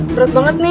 berat banget nih